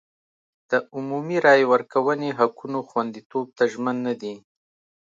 د عمومي رایې ورکونې حقونو خوندیتوب ته ژمن نه دی.